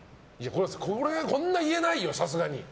こんなに言えないよ、さすがに。